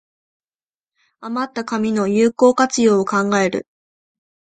あまった紙の有効活用を考える